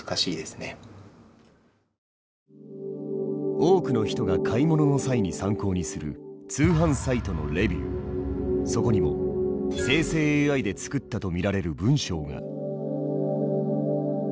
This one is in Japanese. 多くの人が買い物の際に参考にするそこにも生成ＡＩで作ったと見られる文章が。